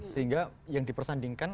sehingga yang dipersandingkan